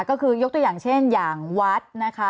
ก็คือยกตัวอย่างเช่นอย่างวัดนะคะ